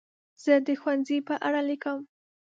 زه د ښوونځي په اړه لیکم.